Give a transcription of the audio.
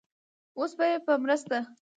اوس به يې په مرسته